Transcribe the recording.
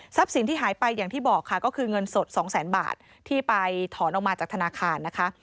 สินที่หายไปอย่างที่บอกค่ะก็คือเงินสดสองแสนบาทที่ไปถอนออกมาจากธนาคารนะคะ